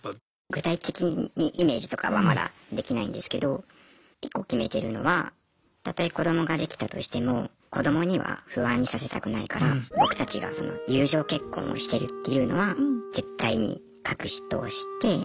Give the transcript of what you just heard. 具体的にイメージとかはまだできないんですけど１個決めてるのはたとえ子どもができたとしても子どもには不安にさせたくないからっていうのは奥さんとも話してますね。